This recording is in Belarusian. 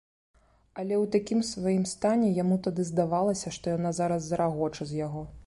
Але ў такім сваім стане яму тады здавалася, што яна зараз зарагоча з яго.